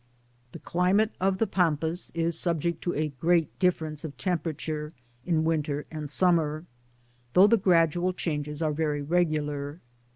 The climate of the Pampas is subject to a great difference of temperature in winter and summer, though the gradual changes are very regular.